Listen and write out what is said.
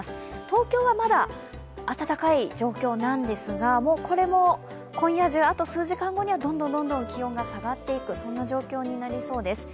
東京はまだ暖かい状況なんですがこれも、今夜中あと数時間後にはどんどん気温が下がっていくそんな状況になりそうです。